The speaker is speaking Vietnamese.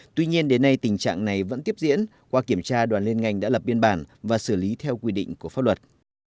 tuy nhiên đến nay tình trạng này vẫn tiếp diễn qua kiểm tra đoàn liên ngành đã lập biên bản và xử lý theo quy định của pháp luật